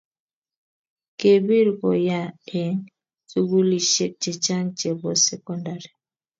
kepir ko yaa eng sukulisiek chechang chepo sekondari